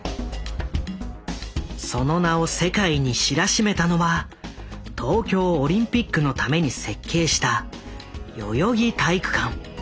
その名を世界に知らしめたのは東京オリンピックのために設計した代々木体育館。